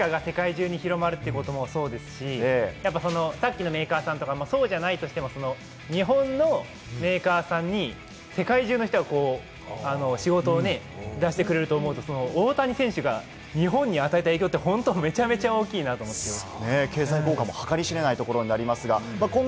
日本の文化が世界中に広まるということもそうですし、さっきのメーカーさんとかも、そうじゃないとしても日本のメーカーさんに世界中の人が仕事を出してくれると思うと、大谷選手が日本に与えた影響ってめちゃめちゃ大きいなと思います。